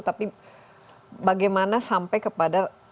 tapi bagaimana sampai kepada